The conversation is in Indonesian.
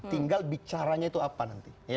tinggal bicaranya itu apa nanti